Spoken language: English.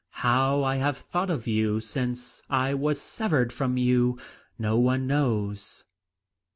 How I have thought of you since I was severed from you no one knows.